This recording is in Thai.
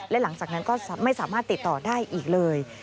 และหลังจากนั้นก็ไม่สามารถติดต่อได้อีกเลย